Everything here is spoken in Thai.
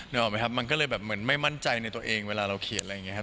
ออกไหมครับมันก็เลยแบบเหมือนไม่มั่นใจในตัวเองเวลาเราเขียนอะไรอย่างนี้ครับ